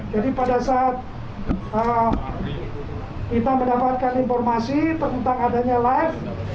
jadi pada saat kita mendapatkan informasi tentang adanya live